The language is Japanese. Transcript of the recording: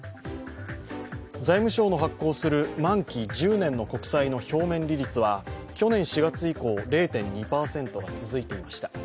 財務省の発行する満期１０年の国債の表面利率は去年４月以降０．２％が続いていました。